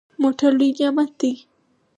موټر لوی نعمت دی.